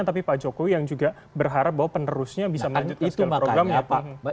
tapi pak jokowi yang juga berharap bahwa penerusnya bisa melanjutkan dalam programnya pak